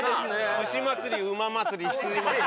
牛祭り馬祭り羊祭り。